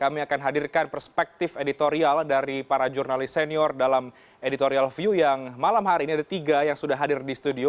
kami akan hadirkan perspektif editorial dari para jurnalis senior dalam editorial view yang malam hari ini ada tiga yang sudah hadir di studio